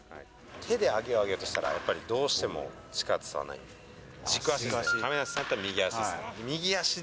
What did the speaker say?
手で上げよう、上げようとしたら、やっぱりどうしても力伝わらないんで。